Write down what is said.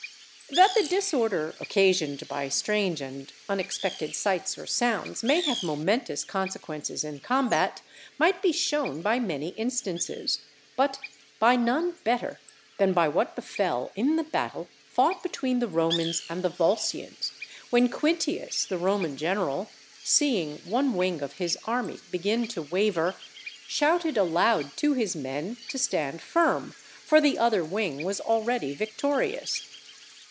_ That the disorder occasioned by strange and unexpected sights or sounds may have momentous consequences in combat, might be shown by many instances, but by none better than by what befell in the battle fought between the Romans and the Volscians, when Quintius, the Roman general, seeing one wing of his army begin to waver, shouted aloud to his men to stand firm, for the other wing was already victorious.